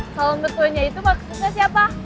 calon mertuanya itu maksudnya siapa